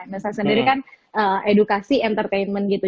nesan sendiri kan edukasi entertainment gitu